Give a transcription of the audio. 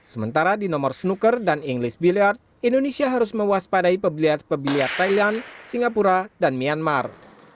sementara di nomor snooker dan english billiard indonesia harus mewaspadai pebiliat pebiliat thailand singapura dan myanmar